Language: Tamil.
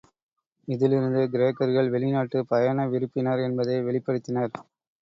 இதிலிருந்து கிரேக்கர்கள் வெளிநாட்டுப் பயண விருப்பினர் என்பதை வெளிப்படுத்தினர்.